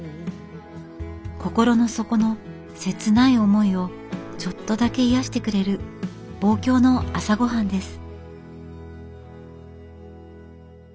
心の底の切ない思いをちょっとだけ癒やしてくれる望郷の朝ごはんです。